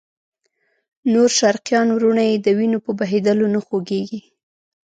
نور شرقیان وروڼه یې د وینو په بهېدلو نه خوږېږي.